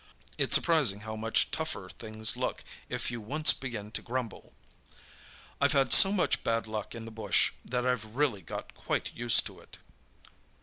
It's surprising how much tougher things look if you once begin to grumble. I've had so much bad luck in the bush that I've really got quite used to it."